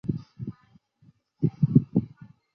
东吴骑都尉虞翻之孙。